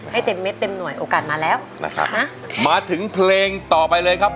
ให้เต็มเม็ดเต็มหน่วยโอกาสมาแล้วนะครับนะมาถึงเพลงต่อไปเลยครับ